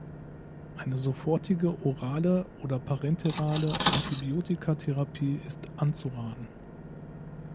Eine sofortige orale oder parenterale Antibiotikatherapie ist anzuraten.